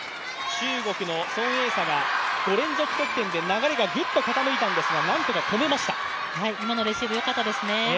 中国の孫エイ莎が５連続得点で流れがぐっと傾いたんですが今のレシーブ良かったですね。